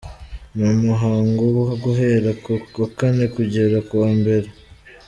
"Ni umuhango uba guhera ku wa kane kugera ku wa mbere.